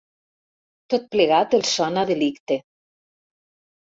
Tot plegat els sona a delicte.